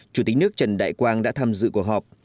chủ tịch nước trần đại quang đã tham dự cuộc họp